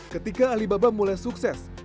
ketika alibaba mulai sukses